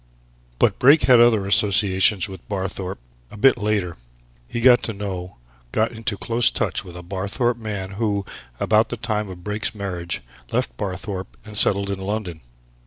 "But Brake had other associations with Barthorpe a bit later. He got to know got into close touch with a Barthorpe man who, about the time of Brake's marriage, left Barthorpe and settled in London.